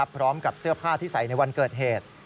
พร้อมกับเสื้อผ้าที่ใส่ในวันเกิดเหตุ